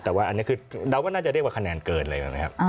แต่ว่าอันนี้คือเดาว่าน่าจะเรียกว่าคะแนนเกินเลยนะครับ